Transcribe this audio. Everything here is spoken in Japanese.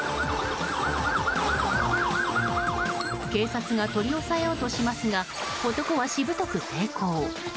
警察が取り押さえようとしますが男はしぶとく抵抗。